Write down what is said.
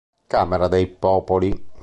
Camera dei Popoli